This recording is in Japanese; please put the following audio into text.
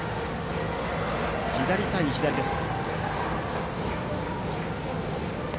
左対左です。